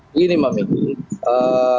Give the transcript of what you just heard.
begini mbak maggie